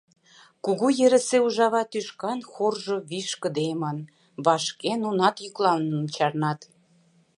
Кугу ерысе ужава тӱшкан хоржо вишкыдемын; вашке нунат йӱкланымым чарнат.